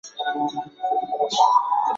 系统全套设备由瑞士引进。